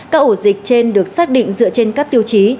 các ổ dịch trên được xác định dựa trên các tiêu chí